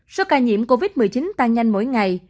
số ca nhiễm covid một mươi chín tăng nhanh mỗi ngày